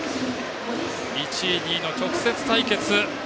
１位、２位の直接対決。